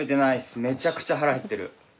むちゃくちゃ腹減ってる。